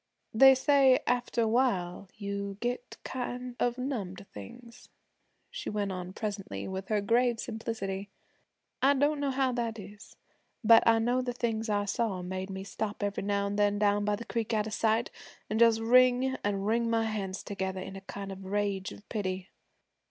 'They say after a while you get kind of numb to things,' she went on presently, with her grave simplicity. 'I don't know how that is, but I know the things I saw made me stop every now an' then down by the creek out of sight, an' just wring an' wring my hands together in a kind of rage of pity.